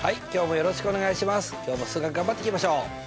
今日も数学頑張っていきましょう。